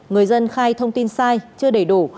người dân khai thông tin sai chưa đầy đủ